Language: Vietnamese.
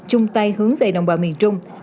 chung tay hướng về đồng bào miền trung